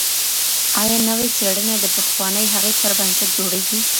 ایا نوي څېړنه د پخوانۍ هغې پر بنسټ جوړیږي؟